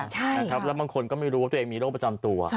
ใช่นะครับแล้วบางคนก็ไม่รู้ว่าตัวเองมีโรคประจำตัว